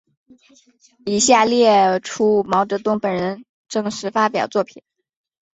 以下列出毛泽东本人正式发表作品。